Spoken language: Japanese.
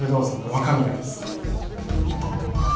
若宮です